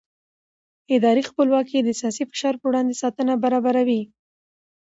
اداري خپلواکي د سیاسي فشار پر وړاندې ساتنه برابروي